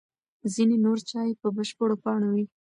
ځینې نور چای په بشپړو پاڼو وي.